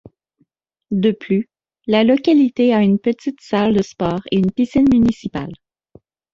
De plus, la localité a une petite salle de sport et une piscine municipale.